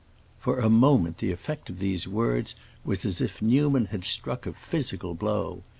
For a moment the effect of these words was as if Newman had struck a physical blow.